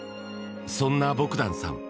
そんなボグダンさん